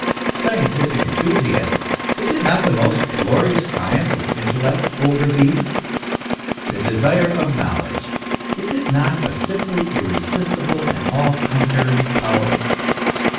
Scientific enthu siasm is it not the most glorious triumph of intellect over thee ? The desire of knowledge is it not a simply irresistible, and all conquering power